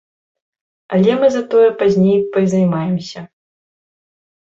Але мы затое пазней пазаймаемся.